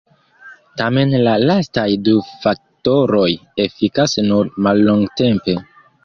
Tamen la lastaj du faktoroj efikas nur mallongtempe.